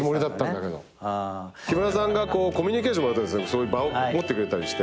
木村さんがこうコミュニケーションそういう場を持ってくれたりして。